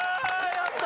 やった！